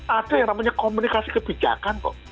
ada yang namanya komunikasi kebijakan kok